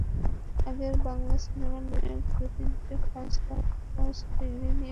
আগের বাংলা ছবির নায়ক দু-তিনটা ফার্স্ট ক্লাস ডিগ্রি নিয়ে বেকার ঘুরত।